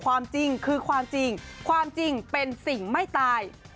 ความจริงคือความจริงความจริงเป็นสิ่งไม่ตาย